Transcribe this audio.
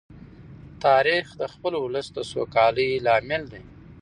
تاریخ د خپل ولس د سوکالۍ لامل دی.